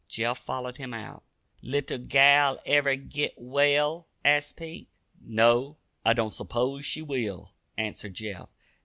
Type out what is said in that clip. Jeff followed him out. "Little gal ever git well?" asked Pete. "No; I don't s'pose she will," answered Jeff.